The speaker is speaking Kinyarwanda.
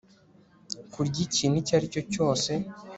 kurya ikintu icyo aricyo cyose